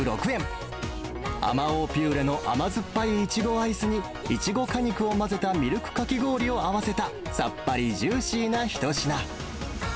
あまおうピューレの甘酸っぱいイチゴアイスに、イチゴ果肉を混ぜたミルクかき氷を合わせた、さっぱりジューシーな一品。